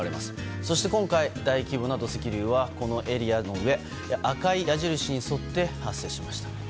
そして今回、大規模な土石流はこのエリアの上赤い矢印に沿って発生しました。